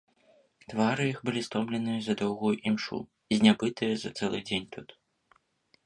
Твары іх былі стомленыя за доўгую імшу, знябытыя за цэлы дзень тут.